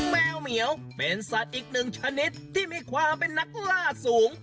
แมวเหมียวเป็นสัตว์อีกหนึ่งชนิดที่มีความเป็นนักล่าสูง